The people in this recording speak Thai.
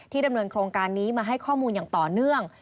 ดำเนินโครงการนี้มาให้ข้อมูลอย่างต่อเนื่อง